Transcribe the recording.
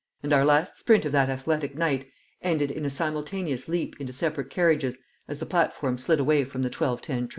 And our last sprint of that athletic night ended in a simultaneous leap into separate carriages as the platform slid away from the 12:10 train.